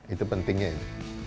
itu pentingnya ini